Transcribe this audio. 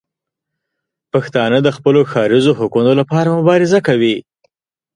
پښتانه د خپلو ښاریزو حقونو لپاره مبارزه کوي.